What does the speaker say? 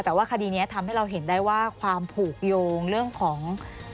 แต่ว่าคดีนี้ทำให้เราเห็นได้ว่าความผูกโยงเรื่องของ